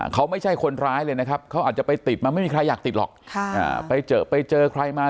เขาไม่ใช่คนร้ายเลยนะครับเขาอาจจะไปติดมาไม่มีใครอยากติดหรอกไปเจอไปเจอใครมา